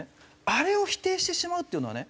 あれを否定してしまうっていうのはね